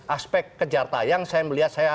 aspek kejar tayang saya melihat saya